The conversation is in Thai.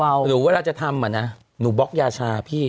เดียวเวลาจะทำหนูบ็อกยาชา